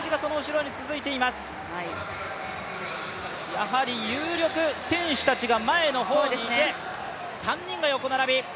やはり有力選手たちが前の方にいて、３人が横並び。